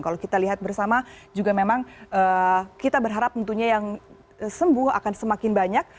kalau kita lihat bersama juga memang kita berharap tentunya yang sembuh akan semakin banyak